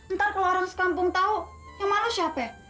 ntar kalau orang sekampung tahu yang malu siapa ya